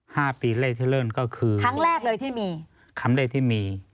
ห้าปีเลขที่เริ่มก็คือครั้งแรกเลยที่มีคำแรกที่มี